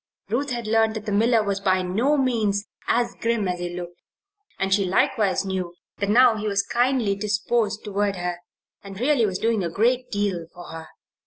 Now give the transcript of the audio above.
Ruth had learned that the miller was by no means as grim as he looked, and she likewise knew that now he was kindly disposed toward her and really was doing a great deal for her.